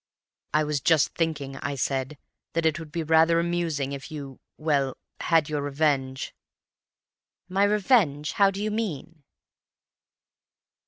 "'I was just thinking,' I said, 'that it would be rather amusing if you—well, had your revenge." "'My revenge? How do you mean?